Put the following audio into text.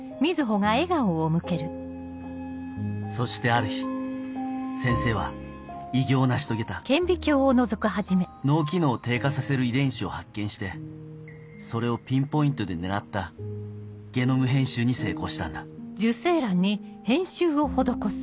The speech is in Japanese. そしてある日先生は偉業を成し遂げた脳機能を低下させる遺伝子を発見してそれをピンポイントで狙ったゲノム編集に成功したんだ教授！